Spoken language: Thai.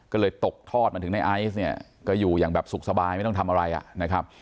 ก็เลยตกทอดมาถึงในไอซ์เนี่ยก็อยู่อย่างแบบสุขสบายไม่ต้องทำอะไรอ่ะนะครับ